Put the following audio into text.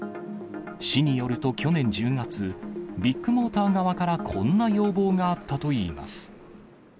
市によると、去年１０月、ビッグモーター側からこんな要望があったといいます。